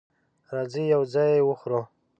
راځئ یو ځای یی وخورو